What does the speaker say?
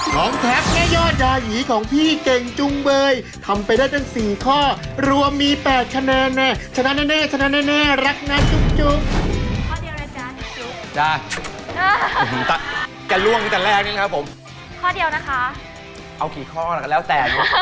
ของแท็พแน่ยอดยายีของพี่เก่งจุ่งเบยทำไปได้จน๔ข้อรวมมี๘คะแนนแนะ